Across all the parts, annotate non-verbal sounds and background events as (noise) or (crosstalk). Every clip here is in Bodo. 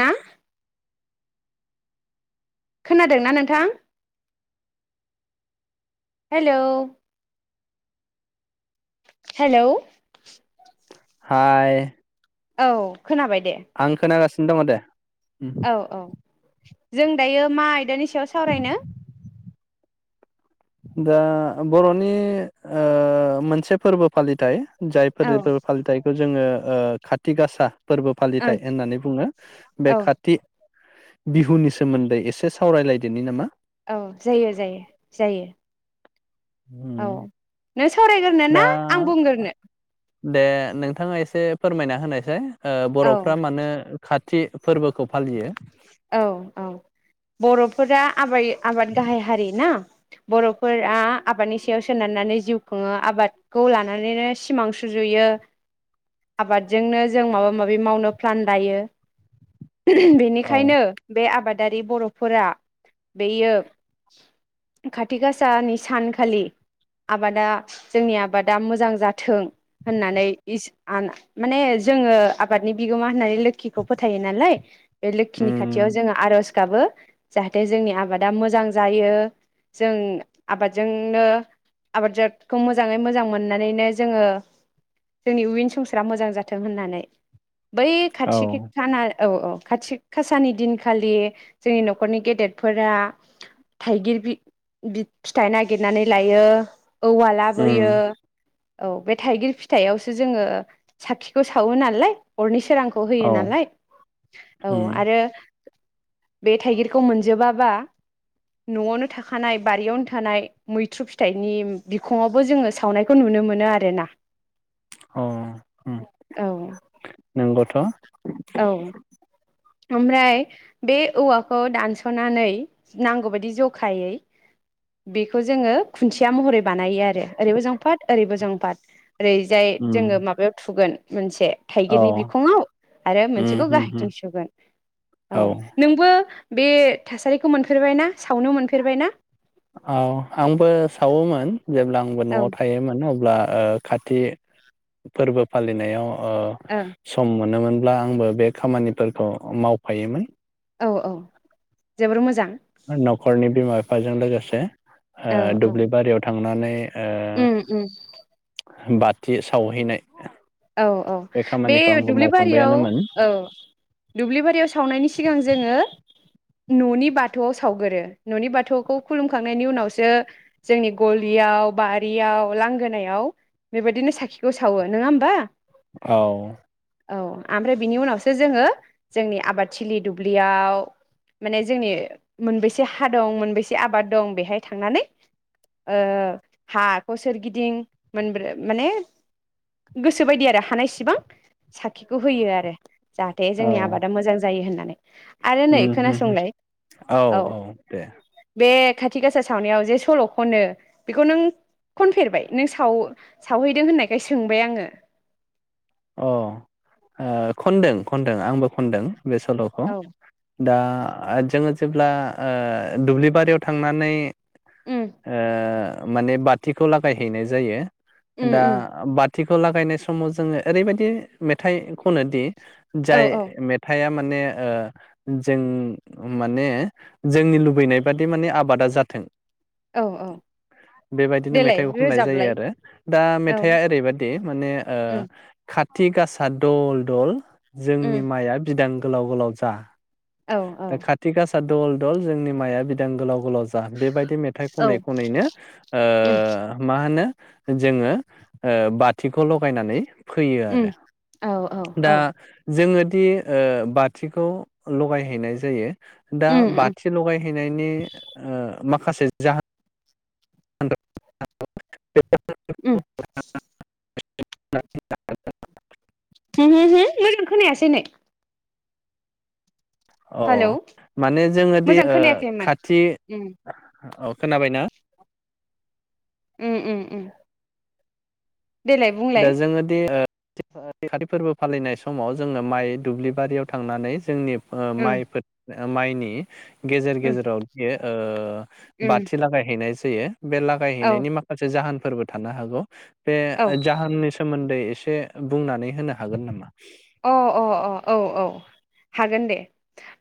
ना खोनादोंना नोंथां? हेलोव। हेलौ हाय औ खोनाबाय दे नो दङ दे। उम। औ औ जों दायो मा आयदानि सायाव सावरायनो? दा बर'नि मोनसे ओ फोरबो फालिथाय औ जायफोर फोरबो फालिथायखौ जोङो ओ खाथि गासा फोरबो ओं फालिथाय होननानै बुङो बे औ खाथि बिहुनि सोमोन्दै एसे सावरायलायदोनि नामा। औ जायो जायो जायो औ उम नों सावरायग्रोनो दा ना आं बुंग्रोनो? दे नोंथाङा एसे फोरमायना होनायसै। ओ औ बर'फ्रा मानो खाथ थि फोरबोखौ फालियो? औ औ बर'फोरा आबै आबाद गाहाय हारि ना बर'फोरा आबादनि सायाव सोनारनानै जिउ खुङो आबादखौ लानानैनो सिमां सुजुयो आबादजोंनो जों माबा माबि मावनो प्लान लायो बे औ खायनो बे आबाद दारि बर'फोरा बैयो खाथि गासानि सानखालि आबादा जोंनि आबादा मोजां जाथों होननानै इस आन माने जोङो आबादनि बिगोमा होननानै लोखिखौ फोथायो नालाय बे लो खिनि खाथियाव उम जोङो आर'ज गाबो जाहाथे जोंनि आबादा मोजां जायो जों आबादजोंनो आबादजोगखौ मोजाङै मोजां मोननानैनो जोङो जोंनि उयिन संसारा मोजां जाथों होननानै। बै औ खाथिखि खाना औ औ खाथिख खासानि दिनखालि जोंनि न'खरनि गेदेरफोरा थाइगिर बि-बि-फिथाइ नागिरनानै लायो। औवा लाबोयो। उम औ बे थाइगिर फिथाइआवसो जोङो साखिखौ सावो नालाय अरनिस सोरांखौ औ होयो नालाय औ उम आरो बे थाइगिरखौ मोनजोबाबा न'आवनो थाखानाय बारियावनो थानाय मैथ्रु फिथाइनि बिखङावबो जोङो सावनायखौ नुनो मोनो आरोना। अ ओम औ नोंगौथ'। औ ओमफ्राय बे औवाखौ दानस'नानै नांगौबायदि जखायै बेखौ जोङो खुन्थिया महरै बानायो आरो ओरैबो जंफाद ओरैबो जंफाद। ओरैजाय जोङो उम माबायाव थुगोन मोनसे थाइगिरनि औ बिखङाव आरो उम मोनसेखौ उम उम गाहायथिं सोगोन। औ नोंबो बे थासारिखौ मोनफेरबाय ना? सावनो मोनफेरबाय ना औ आंबो सावोमोन। जेब्ला आंबो औ न'आव थायोमोन अब्ला ओ खाथि फोरबो फालिनायाव ओ औ सम मोनोमोन। ब्ला आंबो बे खामानिफोरखौ मावफायोमोन। औ औ जोबोर मोजां। न'खरनि बिमा फिफाजों लोगोसे। ओ औ औ दुब्लिबारियाव थांनानै ओ उम उम। बाथि सावहैनाय औ औ। बे खामानिखौ आंबो दुब्लि बारियाव मावखांबायानोमोन औ दुब्लिबारियाव सावनायनि सिगां जोङो न'नि बाथौआव सावगोरो। न'नि बाथौखौ खुलुमखांनायनि उनावसो जोंनि गलियाव, बारियाव, लांगोनायाव बेबायदिनो साखिखौ सावो। नोङा होमबा? औ। औ। ओमफ्राय बिनि उनावसो जोङो जोंनि आबाद थिलि दुब्लियाव माने जोंनि मोनबेसे हा दं, मोनबेसे आबाद दं बेहाय थांनानै ओ हाखौ सोरगिदिं मोनब्रै माने गो (inaudible) सो बायदि आरो हानायसिबां साखिखौ होयो आरो जाहाथे औ जोंनि आबादा मोजां जायो होनना। आरो नै उम उम खोनासंलाय औ बे खाथि गासा सावनायाव जे सल' खनो बेखौ नों खनफेरबाय? नों साव सावहैदों होननायखाय सोंबाय आङो। अ ओ खनदों खनदों आंबो खनदों। बे सल'खौ। आङो दा जोङो जेब्ला आ दुब्लि बारियाव थांनानै उम ओ माने बाथिखौ लागायहैनाय जायो। उम दा उम बा थिखौ लागायनाय समाव जोङो ओरैबायदि मेथाइ खनो दि औ जाय औ मेथाया माने ओ जों माने जोंनि लुबैनाय बादि माने आबादा जाथों औ औ बेबायदिनो देलाय मेथाइखौ खननाय जायो रोजाबलाय आरो दा औ मेथाया ओरैबायदि माने ओ उम खा थिक गासा दल दल उम जोंनि माइआ बिदां गोलाव गोलाव जा औ औ। दा खाथि गासा दल दल जोंनि माइआ बिदां गोलाव गोलाव जा बेबायदि मेथाइ औ खनै खनैनो उम ओ मा होनो जोङो ओ बाथिखौ लगायनानै फैयो उम आरो। औ औ दा औ जोङो दि बाथिखौ लगायहैनाय जायो। दा उम उम बाथि लगाय हैनायनि ओ माखासे जाहो (unintelligible) उम (unintelligible) हम होम होम मोजां खोनायासै नै अ हेलौ माने जोङो दि मोजां ओ खोनायाखैमोन खाथि उम ओ खोनाबायना? ओम ओम ओम। दा जोङोदि ओ थि खाथि फोरबो फालिनाय समाव जोङो माइ दुब्लिबारियाव थांनानै जोंनि ओ उम माइफोर ओ माइनि गेजेर उम गेजेराव बियो ओ उम बाथि लागायहैनाय जायो। बे औ लागायहैनायनि माखासे जाहोन फोरबो थानो हागौ बे औ अ जाहोननि सोमोन्दै एसे बुंनानै होनो हागोन नामा? अ अ औ औ हागोन दे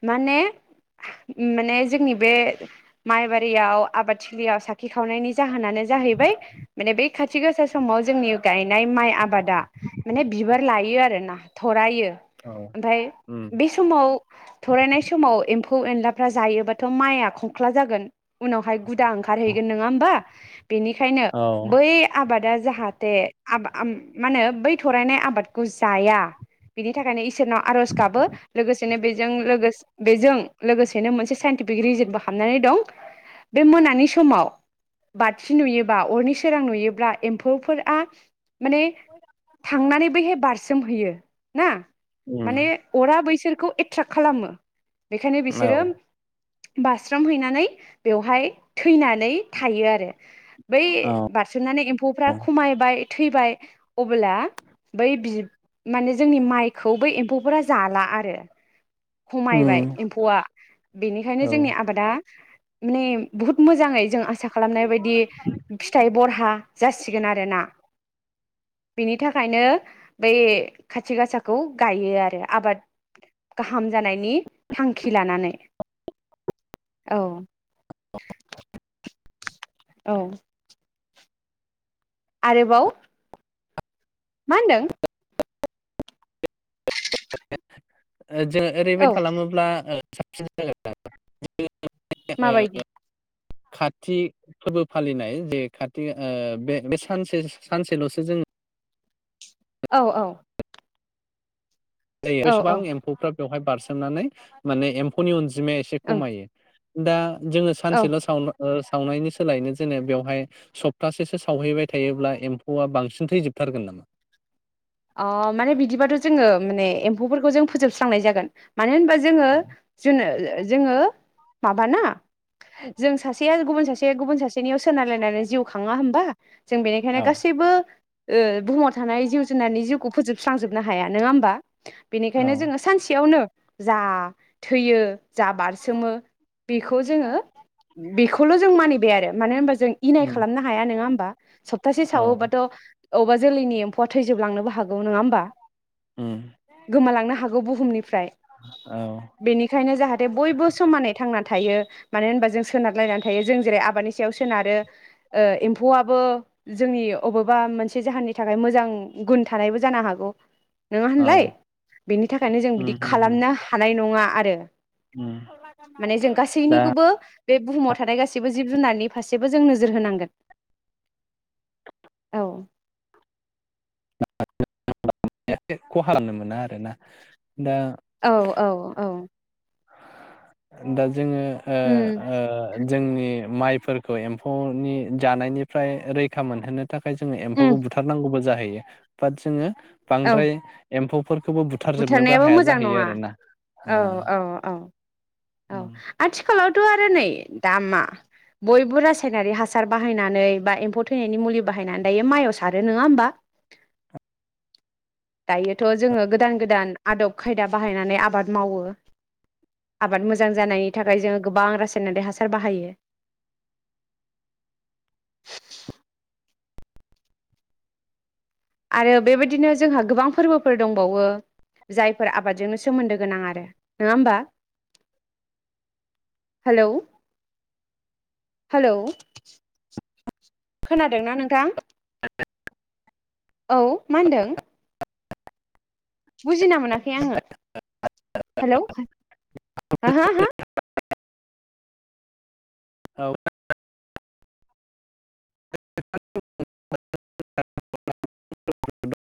माने ओम माने जोंनि बे माइबारियाव आबादथिलियाव साखि खावनायनि जाहोना नानो जाहैबाय माने बे खाथि गोसा समाव जोंनि गायनाय माइ आबाद बादा माने बिबार लायो आरो आरो ना। थरायो औ ओमफाय औ बे समाव थरायनाय समाव एम्फौ फौ एनलाफ्रा जायोबाथ माइआ खंख्ला जागोन उनावहाय गुदा ओंखारहैगोन नोङा होमबा बेनिखायनो बै आबादा जाहाथे आबा आम मा होनो बै थरायनाय आबादखौ जाया बिनि थाखायनो इसोनाव आरज गाबो लोगोसे सेनो बेजों लोगोस बेजों लोगोनो मोनसे साइन्टिफिक रिजोनबो हाबनानै दं बे मोनानि समाव बाथि नुयोबा अरनि सोरां नुयोब्ला एम्फौफोरआ माने थांनानैबोहाय बारसि सोमहैयो ना माने अरा बैसोर खौ एट्राेक्ट खालामो बेखायनो बिसोरो औ बास्रोमहैनानै बेवहाय थैनानै थायो आरो बै औ बारसोमनानै एम्फौफ्रा खमायबाय थैबाय अबोला बै बिब माने जोंनि माइखौ बै एम्फौफोरा जाला आरो खमायबाय एम्फौआ बेनिखायनो जोंनि औ आबादा नेम बहुत मोजांङै जों आसा खालामनाय बायदि फिथाइ बरहा जासिगोन आरोना बिनि थाखायनो बै खाथि गासाखौ गायो आरो आबाद गाहाम जानायनि थांखि लानानै औ औ आरोबाव मा होनदों? (unintelligible) ओ जोङो ओरैबायद औ खालामोब्ला ओ साबसे ज माबायदि (unintelligible) (unintelligible) खाथिग फोरबो फालिनाय जे खाथि ओ बे-बे सानसे सानसेल'सो जोङो औ औ ज औ बेसेबां एम्फौफ्रा (unintelligible) बेवहाय बारसोमनानै माने एम्फौनि अन जिमाया एसे ओं खमायो दा जोङो औ सानसेल' सावनो ओ सावनायनि सोलायनो जेने बेवहाय सप्तासेसो सावहैबाय थायोब्ला एम्फौआ बांसिन थैजोबथारगोन नामा? अ माने बिदिबाथ' जोङो माने एम्फौफोरखौ जों फोजोबस्रांनाय जागोन मानो होनबा जोङो जोनो ओ ओ (unintelligible) जोङो माबाना जों सासेया गुबुन सासेया गुबुन सासेनियाव सोनारालायनानै जिउ खाङा होमबा? जों बेनिखायनो औ गासैबो ओ बुहु थानाय जिउ नानै जिउखौ फोजोबस्रांजोबनो हाया नोङा होनबा औ बेनिखाइनो जोङो सानसेयाव नो जा थैयो जा बारसोमो बेखौ जोङो बेखौल' जों मानिबाय आरो मानो होनबा जों इनाय खालामनो हाया नोङा होनबा सप्तासे औ सावोबाथ' अबा जोलैनि एम्फौआ थैजोबलांनोबो हागौ नोंङा होमबा? गोमालांनो हा बुहुमनि (unintelligible) बेनिखायनो जाहाथे बयबो समानै थांनानै थायो मानो होनबा जों सोनारलायनानै थायो जों जेरै आबादनि सायाव सोनारो ओ एम्फौआबो जोंनि अबेबा मोनसे जाहोननि थाखाय मोजां गुन थानायबो जानो हागौ (inaudible) नङा होनलाय औ बेनि थाखायनो जों उम बिदि उम उम खालामनो हानाय नङा। आरो माने जों (unintelligible) दा गासैनिखौबो बे बुहुमाव थानाय गासैबो जिब जुनारनि फारसेबो जों नोजोर होनांगोन औ (unintelligible) खालामनो मोना आरोना दा औ औ औ (unintelligible) जोङो ओ उम ओ जोंनि माइफोरखौ एम्फौनि जानायनिफ्राय रैखा मोनहोनो थाखाय जोङो उम एम्फौखौ बुथार नांगौबो जा (unintelligible) बा जोङो औ बांद्राय एम्फौ फोरखौबो बुथारजोबनोबो बुथारनायाबो हाया मोजां जाहैयो नङा आरो ना औ औ औ औ आथिखालाव थ' आरो नै दा मा बयबो रासायनारि हासार बाहायनानै बा एम्फौ थैनायनि मुलि बाहायनानै दायो माइआव सारो नङा होमबा दायोथ' जोङो गोदान गोदान आदब खायदा बाहायनानै आबाद मावो। आबाद मोजां जानायनि थाखाय जोङो गोबां रासायनारि हासार बाहायो। (inaudible) आरो बेबायदिनो जोंहा गोबां फोरबोफोर दंबावो जायफोर आबादजोंनो सोमोन्दो गोनां आरो नङा होमबा हेलौ-हेलौ खोनादोंना नोंथां। औ मा होनदों? बुजिना मोनाखै आङो। हेल' हो-हो-हो। औ (inaudible) (inaudible)